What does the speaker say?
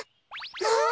あっ！